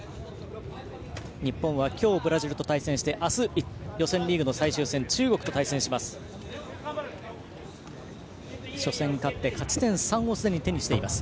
日本は今日ブラジルと対戦してあす、予選リーグの最終戦で中国と対戦します。